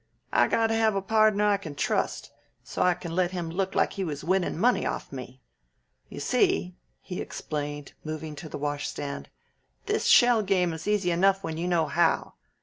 I got to have a podner I can trust, so I can let him look like he was winnin' money off of me. You see," he explained, moving to the washstand, "this shell game is easy enough when you know how.